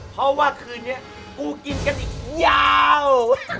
เพราะว่าคืนนี้กูกินกันอีกยาว